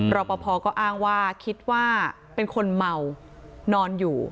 รอปภก็อ้างว่าคิดว่าเป็นคนเมานอนอยู่